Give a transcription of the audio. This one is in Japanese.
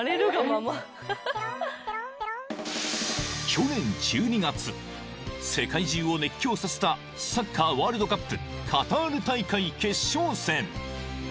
［去年１２月世界中を熱狂させたサッカーワールドカップカタール大会決勝戦］